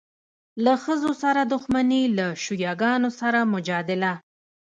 له ښځو سره دښمني، له شیعه ګانو سره مجادله.